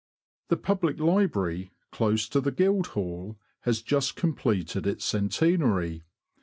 The Public Library, close to the Guildhall, has just completed its centenary.